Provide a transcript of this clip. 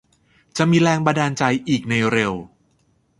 จะมีแรงบันดาลใจอีกในเร็ว